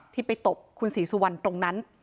ที่ไปตบคุณศรีสุวรรณตรงนั้น